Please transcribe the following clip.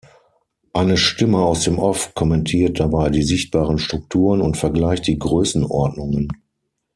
Eine Stimme aus dem Off kommentiert dabei die sichtbaren Strukturen und vergleicht die Größenordnungen.